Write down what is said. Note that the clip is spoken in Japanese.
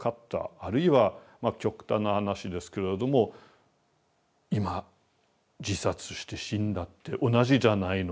あるいは極端な話ですけれども今自殺して死んだって同じじゃないの？